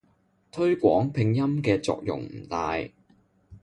推廣拼音嘅作用唔大